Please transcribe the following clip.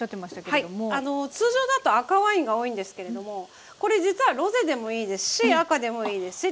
通常だと赤ワインが多いんですけれどもこれ実はロゼでもいいですし赤でもいいですしって話なんですよね。